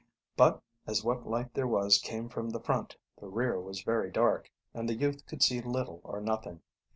But as what light there was came from the front, the rear was very dark, and the youth could see little or nothing.